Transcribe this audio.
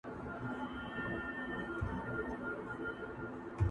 دا خبره تر قيامته پوري د درواغجنو خلکو لپاره کفايت کوي.